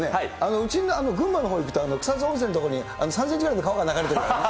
うちの群馬のほう行くと、草津温泉の所に３センチぐらいの川が流れてるからね。